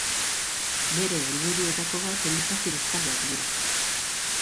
Bere helburuetako bat eliza kristauak dira.